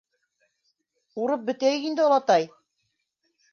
— Урып бөтәйек инде, олатай.